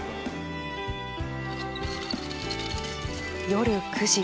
夜９時。